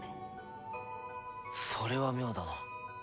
それは妙だな。